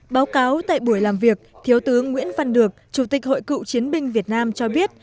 báo cáo tại buổi làm việc thiếu tướng nguyễn văn được chủ tịch hội cựu chiến binh việt nam cho biết